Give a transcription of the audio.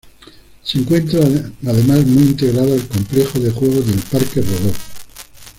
Se encuentran además muy integradas al complejo de juegos del Parque Rodó.